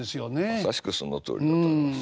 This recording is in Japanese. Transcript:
まさしくそのとおりだと思います。